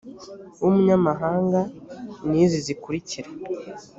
w umunyamahanga ni izi zikurikira